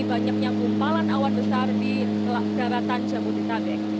banyaknya kumpalan awan besar di daratan jabodetabek